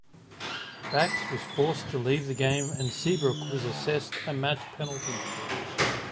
Backes was forced to leave the game and Seabrook was assessed a match penalty.